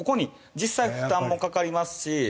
実際負担もかかりますし。